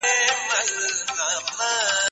حکومت مرييان رانيول او بيا يې ازادول.